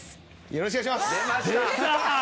よろしくお願いします！